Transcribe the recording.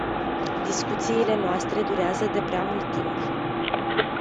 Discuțiile noastre durează de prea mult timp.